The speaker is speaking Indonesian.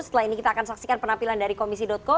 setelah ini kita akan saksikan penampilan dari komisi co